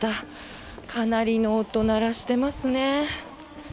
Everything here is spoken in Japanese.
かなりの音、鳴らしてますね。